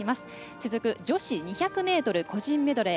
続く、女子２００ｍ個人メドレー